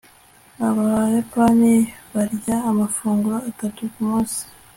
abayapani barya amafunguro atatu kumunsi